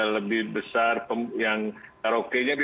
lebih besar yang karaoke nya